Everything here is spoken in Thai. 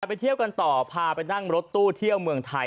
ไปเที่ยวกันต่อพาไปนั่งรถตู้เที่ยวเมืองไทย